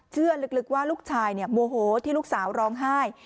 เชื่อลึกว่าลูกชายโมโหที่ลูกสาวร้องไห้